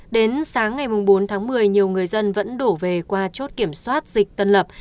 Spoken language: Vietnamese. đến sáng ngày bốn tháng một mươi nhiều người dân vẫn đổ về qua chốt kiểm soát dịch tân lập